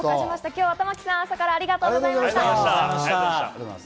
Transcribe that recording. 今日は田巻さん、朝からありがとうございました。